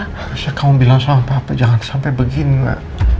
harusnya kamu bilang sama papa jangan sampai begini ma